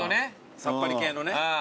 さっぱり系のね。